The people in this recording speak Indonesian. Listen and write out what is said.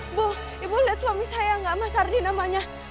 ibu ibu lihat suami saya nggak mas ardi namanya